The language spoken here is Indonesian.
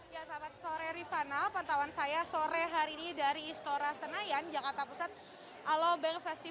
ya selamat sore rifana pantauan saya sore hari ini dari istora senayan jakarta pusat